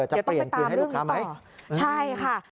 จะเปลี่ยนคืนให้ลูกค้าไหมใช่ค่ะจะต้องไปตามเรื่องนี้ต่อ